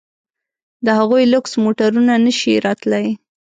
د هغوی لوکس موټرونه نه شي راتلای.